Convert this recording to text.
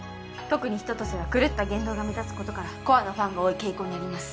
特に春夏秋冬は狂った言動が目立つことからコアなファンが多い傾向にあります